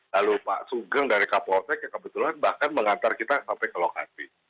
lalu pak sugeng dari kapolsek yang kebetulan bahkan mengantar kita sampai ke lokasi